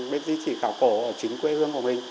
biết di chỉ khảo cổ ở chính quê hương của mình